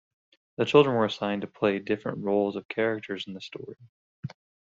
The children were assigned to play different roles of characters in the story.